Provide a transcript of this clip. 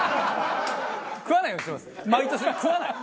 食わないようにしてます。